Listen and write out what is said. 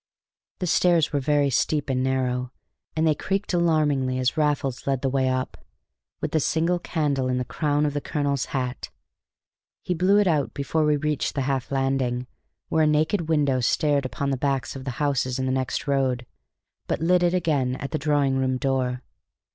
The stairs were very steep and narrow, and they creaked alarmingly as Raffles led the way up, with the single candle in the crown of the colonel's hat. He blew it out before we reached the half landing, where a naked window stared upon the backs of the houses in the next road, but lit it again at the drawing room door.